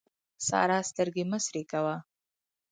سارا سترګې مه سرې کوه.